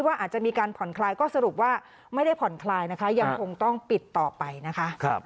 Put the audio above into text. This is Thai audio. อาจจะมีการผ่อนคลายก็สรุปว่าไม่ได้ผ่อนคลายนะคะยังคงต้องปิดต่อไปนะคะ